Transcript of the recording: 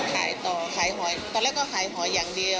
ขายต่อขายหอยตอนแรกก็ขายหอยอย่างเดียว